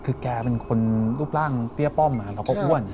คือแกเป็นคนลูกร่างเตี้ยป้อมกับชีวิตให้อ้วน